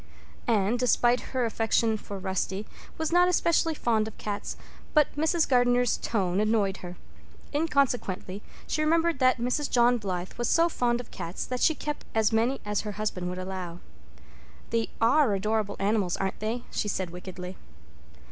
Anne, despite her affection for Rusty, was not especially fond of cats, but Mrs. Gardner's tone annoyed her. Inconsequently she remembered that Mrs. John Blythe was so fond of cats that she kept as many as her husband would allow. "They are adorable animals, aren't they?" she said wickedly.